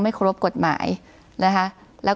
คุณปริณาค่ะหลังจากนี้จะเกิดอะไรขึ้นอีกได้บ้าง